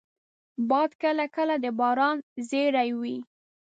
باد کله کله د باران زېری وي